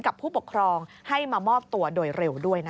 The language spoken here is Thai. กับผู้ปกครองให้มามอบตัวโดยเร็วด้วยนะคะ